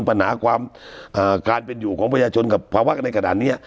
ผนาการเป็นอยู่ของประชาชนภาวะในกระดานนี้